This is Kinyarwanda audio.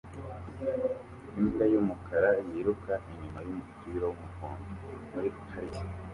Imbwa yumukara yiruka inyuma yumupira wumuhondo muri parike